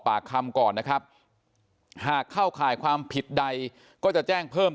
ปากคำก่อนนะครับหากเข้าข่ายความผิดใดก็จะแจ้งเพิ่ม